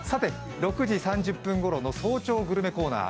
６時３０分ごろの早朝グルメコーナー